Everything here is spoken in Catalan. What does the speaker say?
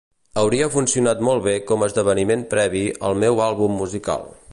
Hauria funcionat molt bé com a esdeveniment previ al meu àlbum musical.